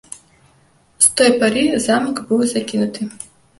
З той пары замак быў закінуты.